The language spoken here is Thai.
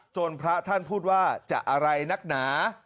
พระท่านพูดว่าจะอะไรนักหนา